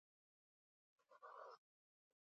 مرغان په ځنګل کې ځالې جوړوي.